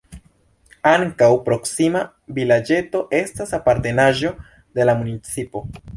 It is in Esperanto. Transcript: Ankaŭ proksima vilaĝeto estas apartenaĵo de la municipo.